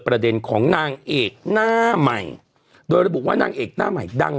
ประเด็นของนางเอกหน้าใหม่โดยระบุว่านางเอกหน้าใหม่ดัง